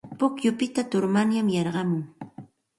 Pukyupita turmanyay yarqumun.